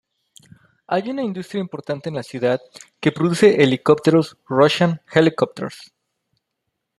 Hay una industria importante en la ciudad que produce helicópteros Russian Helicopters.